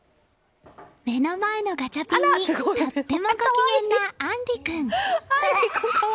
目の前のガチャピンにとってもご機嫌なあんり君。